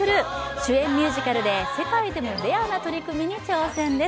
主演ミュージカルで世界でもレアな取り組みに挑戦です。